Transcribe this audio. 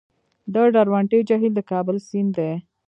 د درونټې جهیل د کابل سیند دی